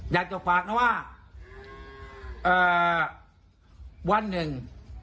อยากจะฝากนะว่าวันหนึ่ง